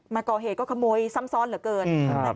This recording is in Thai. มาก่อเหตุก็ขโมยซ้ำซ้อนเหลือเกิน